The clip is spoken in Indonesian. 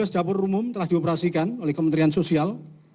sebelas dapur umum telah dioperasikan oleh kementerian sosial